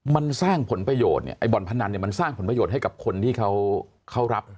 มันสร้างผลประโยชน์เนี่ยไอบ่อนพนันเนี่ยมันสร้างผลประโยชน์ให้กับคนที่เขารับ